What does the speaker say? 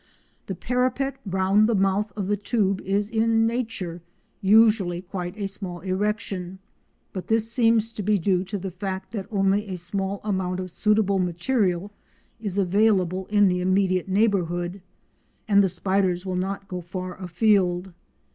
The parapet round the mouth of the tube is in nature usually quite a small erection, but this seems to be due to the fact that only a small amount of suitable material is available in the immediate neighbourhood, and the spiders will not go far afield.